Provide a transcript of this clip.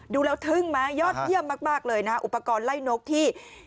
ดูแล้วทึ่งไหมยอดเยี่ยมมากเลยนะอุปกรณ์ไล่นกที่